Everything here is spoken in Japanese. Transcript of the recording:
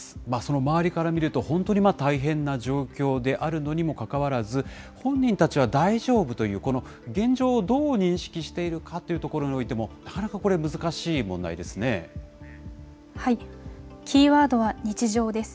周りから見ると、本当に大変な状況であるのにもかかわらず、本人たちは大丈夫という、この現状をどう認識しているかというところにおいても、なかなかキーワードは日常です。